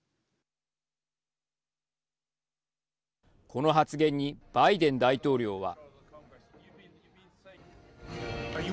この発言にバイデン大統領は。